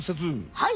はい。